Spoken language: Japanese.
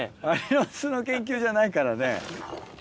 アリの巣の研究じゃないからね。